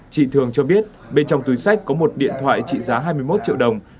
chị thường cho biết bên trong túi sách có một điện thoại trị giá hai mươi một triệu đồng